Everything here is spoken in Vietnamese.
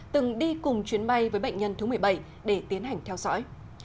từng đi cùng chuyến bay với bệnh nhân thứ một mươi bảy để tiến hành theo dõi